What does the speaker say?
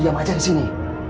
tapi saya akan turunnya